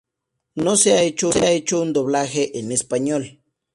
No se ha hecho un doblaje en español.